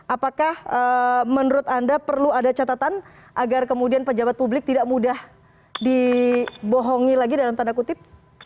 apakah menurut anda perlu ada catatan agar kemudian pejabat publik tidak mudah dibohongi lagi dalam tanda kutip